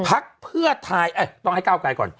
พักเพื่อไทยต้องให้ก้าวไกลก่อน